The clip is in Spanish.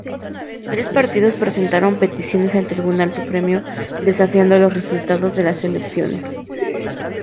Tres partidos presentaron peticiones al Tribunal Supremo, desafiando a los resultados de las elecciones.